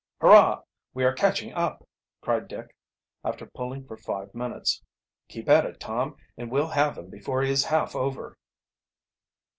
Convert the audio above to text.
"Hurrah! we are catching up!" cried Dick, after pulling for five minutes. "Keep at it, Tom, and we'll have him before he is half over."